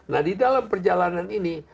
nah di dalam perjalanan ini